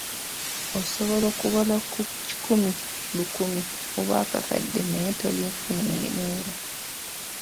Osobola okubala ku kikumi, lukumi, oba akakadde naye tolinfuna neera!